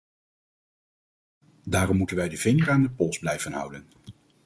Daarom moeten wij de vinger aan de pols blijven houden.